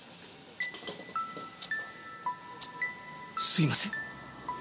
すいません！